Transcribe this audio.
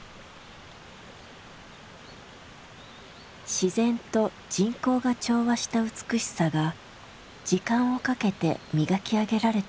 「自然」と「人工」が調和した美しさが時間をかけて磨き上げられていった。